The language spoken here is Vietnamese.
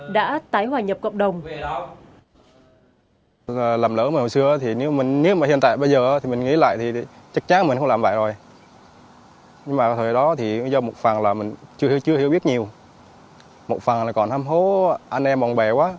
đã tái hòa nhập cộng đồng